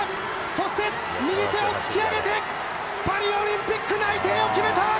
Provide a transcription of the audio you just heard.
そして、右手を突き上げて、パリオリンピック内定を決めた！